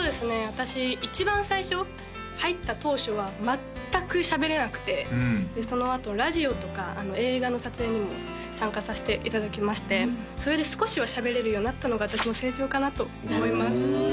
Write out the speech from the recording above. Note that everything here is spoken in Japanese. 私一番最初入った当初は全くしゃべれなくてそのあとラジオとか映画の撮影にも参加させていただきましてそれで少しはしゃべれるようになったのが私の成長かなと思います